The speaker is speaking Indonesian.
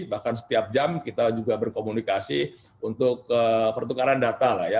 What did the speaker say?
bahkan setiap jam kita juga berkomunikasi untuk pertukaran data lah ya